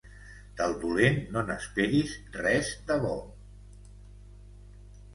Del dolent no n'esperis res de bo.